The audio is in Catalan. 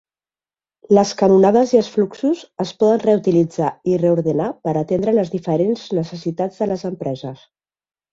Les canonades i els fluxos es poden reutilitzar i reordenar per atendre les diferents necessitats de les empreses.